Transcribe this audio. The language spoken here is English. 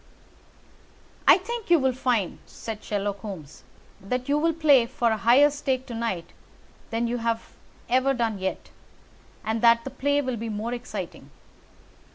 "I think you will find," said Sherlock Holmes, "that you will play for a higher stake to night than you have ever done yet, and that the play will be more exciting.